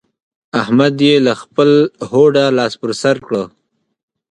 احمد يې له خپله هوډه لاس پر سر کړ.